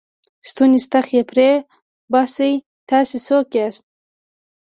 ستونی ستغ یې پرې وباسئ، تاسې څوک یاست؟